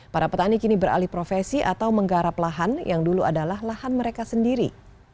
para petani kini beralih profesi atau menggarap lahan yang dulu adalah lahan mereka sendiri